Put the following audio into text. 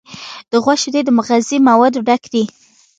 د غوا شیدې د مغذي موادو ډک دي.